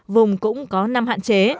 vùng cũng có năm hạn chế